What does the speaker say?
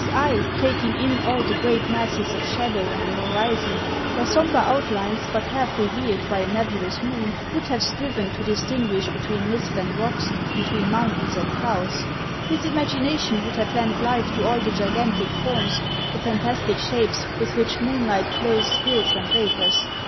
eye, taking in all the great masses of shadow oil the horizon, their sombre outlines but hall' revealed by a nebulous moon, would have striven to distinguish between mist and rocks, between mountains and clouds; his imagination would have lent life to all the gigantic forms, the fantastic shapes with which moonlight clothes hills and vapors.